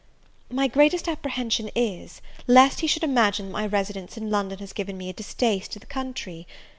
My greatest apprehension is, lest he should imagine that my residence in London has given me a distaste to the country.